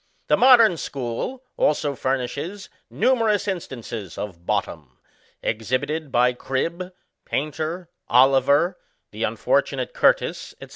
The modern school also furnishes numerous instances of bottom, exhibited by Cribb, Painter, Oliver, the unfortunate Curtis, &c.